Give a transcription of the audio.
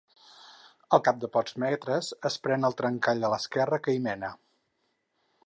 Al cap de pocs metres es pren el trencall a l'esquerra que hi mena.